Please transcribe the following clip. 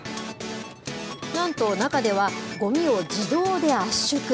なんと、中では、ごみを自動で圧縮。